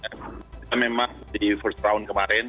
kita memang di first tahun kemarin